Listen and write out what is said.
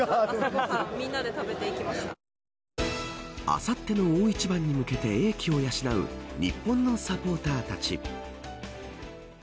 あさっての大一番に向けて英気を養う日本のサポーターたち。